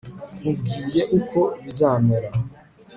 nkubwiye uko bizamera